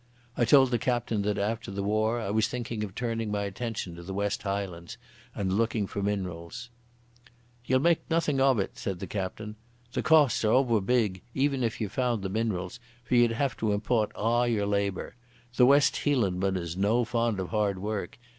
I told the captain that after the war I was thinking of turning my attention to the West Highlands and looking out for minerals. "Ye'll make nothing of it," said the captain. "The costs are ower big, even if ye found the minerals, for ye'd have to import a' your labour. The West Hielandman is no fond o' hard work.